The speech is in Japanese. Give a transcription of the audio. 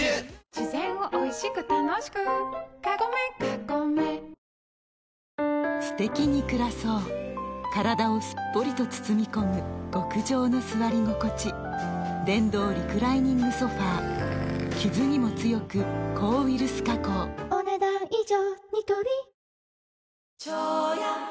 自然をおいしく楽しくカゴメカゴメすてきに暮らそう体をすっぽりと包み込む極上の座り心地電動リクライニングソファ傷にも強く抗ウイルス加工お、ねだん以上。